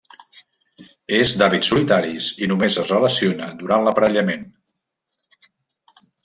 És d'hàbits solitaris i només es relaciona durant l'aparellament.